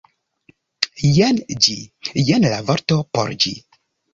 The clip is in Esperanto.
Jen ĝi, jen la vorto por ĝi